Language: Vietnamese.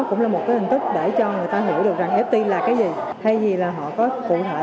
cũng là một cái hình thức để cho người ta hiểu được rằng ft là cái gì thay vì là họ có cụ thể